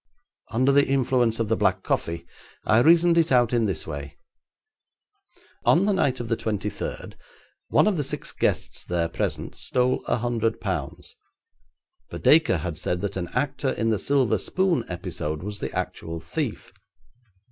Under the influence of the black coffee I reasoned it out in this way. On the night of the twenty third one of the six guests there present stole a hundred pounds, but Dacre had said that an actor in the silver spoon episode was the actual thief.